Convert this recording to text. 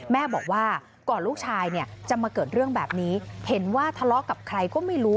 แม่บอกว่าก่อนลูกชายจะมาเกิดเรื่องแบบนี้เห็นว่าทะเลาะกับใครก็ไม่รู้